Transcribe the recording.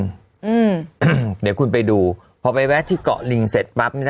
เดี๋ยวคุณไปดูพอไปแวะที่เกาะลิงเสร็จปั๊บ